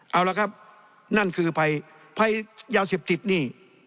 เอาละครับนั่นคือภัยภัยยาเสพติดนี่